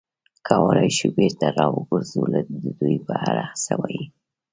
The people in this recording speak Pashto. کولای شو بېرته را وګرځو، د دوی په اړه څه وایې؟